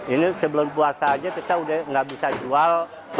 ini sebelum puasa saja kita sudah tidak bisa jual tiga belas